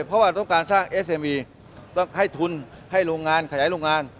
เพราะว่าต้องการสร้างเอสเอมีต้องให้ทุนให้โรงงานขยายโรงงาน